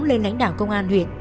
lên lãnh đạo công an huyện